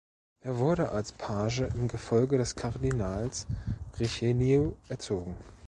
Er wurde als Page im Gefolge des Kardinals Richelieu erzogen.